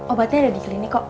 obatnya ada di klinik kok